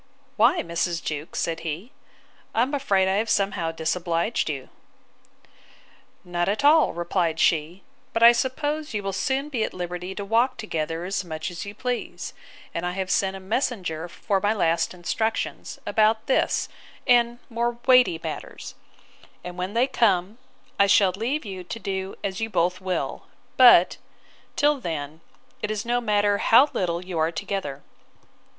Why, Mrs. Jewkes? said he: I am afraid I have somehow disobliged you. Not at all, replied she; but I suppose you will soon be at liberty to walk together as much as you please: and I have sent a messenger for my last instructions, about this and more weighty matters; and when they come I shall leave you to do as you both will; but, till then, it is no matter how little you are together.